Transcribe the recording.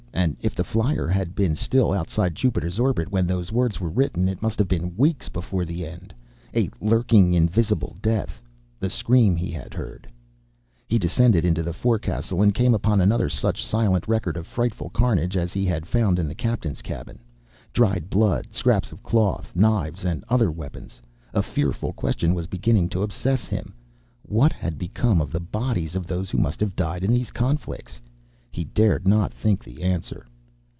And if the flier had been still outside Jupiter's orbit when those words were written, it must have been weeks before the end. A lurking, invisible death! The scream he had heard.... He descended into the forecastle, and came upon another such silent record of frightful carnage as he had found in the captain's cabin. Dried blood, scraps of cloth, knives and other weapons. A fearful question was beginning to obsess him. What had become of the bodies of those who must have died in these conflicts? He dared not think the answer.